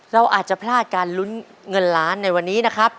เราอาจจะพลาดการลุ้นเงินล้านในวันนี้นะครับ